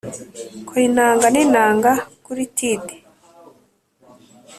kora inanga n'inanga kuri tide